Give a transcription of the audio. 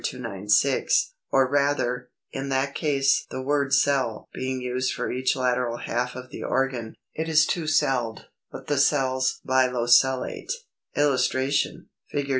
296); or rather, in that case (the word cell being used for each lateral half of the organ), it is two celled, but the cells bilocellate. [Illustration: Fig.